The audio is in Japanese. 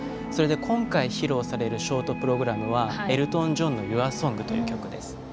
それで、今回披露されるショートプログラムはエルトン・ジョンの「ユア・ソング」という曲です。